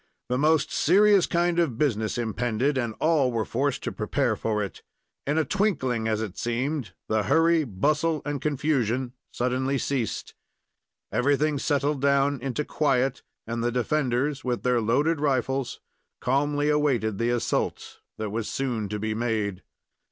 The most serious kind of business impended, and all were forced to prepare for it. In a twinkling, as it seemed, the hurry, bustle, and confusion suddenly ceased. Everything settled down into quiet, and the defenders, with their loaded rifles, calmly awaited the assault that was soon to be made.